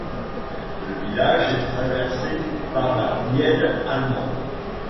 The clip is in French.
Le village est traversé par la Nied allemande.